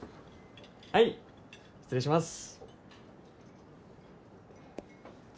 はい失礼します。